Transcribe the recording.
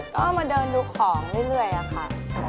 ต้องเอามาเดินดูของเรื่อยค่ะ